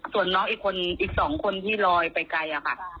ส่วนน้องอีก๒คนที่รอยไปไกล